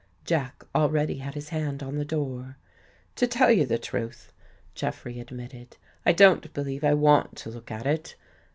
Jack already had his hand on the door. " To tell you the truth," Jeffrey admitted, " I don't believe I want to look at it.